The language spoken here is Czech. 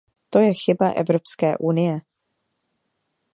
To je chyba Evropské unie.